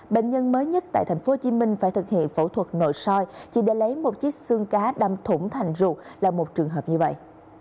bệnh nhân mới nhất tại tp hcm phải thực hiện phẫu thuật nội soi chỉ để lấy một chiếc xương cá đâm thủng thành ruột là một trường hợp như vậy